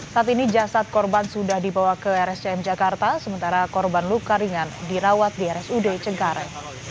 saat ini jasad korban sudah dibawa ke rscm jakarta sementara korban luka ringan dirawat di rsud cengkare